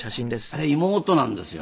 あれ妹なんですよ。